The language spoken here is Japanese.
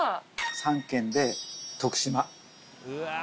３軒で徳島。